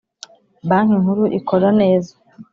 Banki Nkuru ikora neza.